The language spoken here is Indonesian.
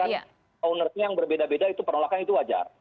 bahkan owner nya yang berbeda beda itu penolakan itu wajar